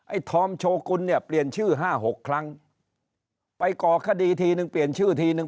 ธอมโชกุลเนี่ยเปลี่ยนชื่อห้าหกครั้งไปก่อคดีทีนึงเปลี่ยนชื่อทีนึง